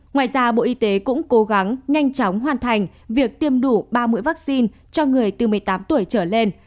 ngoài ra bộ y tế cũng cố gắng nhanh chóng hoàn thành việc tiêm đủ ba mươi vaccine cho người từ một mươi tám tuổi trở lên